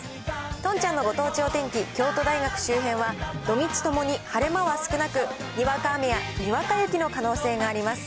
とんちゃんのご当地お天気、京都大学周辺は土日ともに晴れ間は少なく、にわか雨やにわか雪の可能性があります。